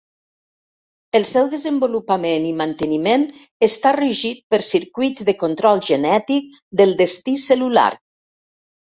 El seu desenvolupament i manteniment està regit per circuits de control genètic del destí cel·lular.